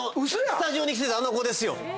スタジオに来てたあの子ですよ。